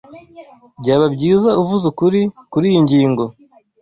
Byaba byiza uvuze ukuri kuriyi ngingo.